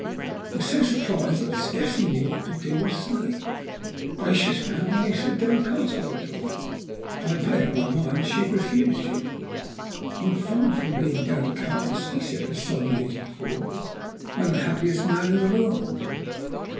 I was so surprised that I scarcely knew what to do or say. "Good gracious, man! then why are you so downcast?" I replied. "I had made up my mind that she had refused you!" "I am far from being downcast," he said as solemnly as before. "I am the happiest man in the world.